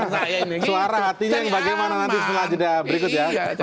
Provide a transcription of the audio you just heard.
suara hatinya yang bagaimana nanti setelah jeda berikut ya